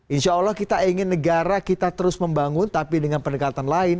insya allah kita ingin negara kita terus membangun tapi dengan pendekatan lain